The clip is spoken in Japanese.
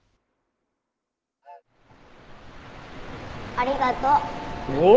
ありがとう。おっ！